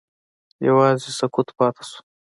یوازې سکوت پاتې شو.